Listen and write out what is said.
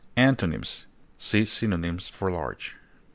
Antonyms: See synonyms for LARGE.